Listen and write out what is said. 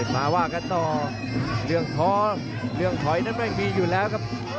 มาว่ากันต่อเรื่องท้อเรื่องถอยนั้นไม่มีอยู่แล้วครับ